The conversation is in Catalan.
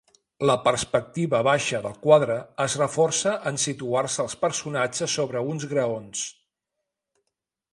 La perspectiva baixa del quadre es reforça en situar-se els personatges sobre uns graons.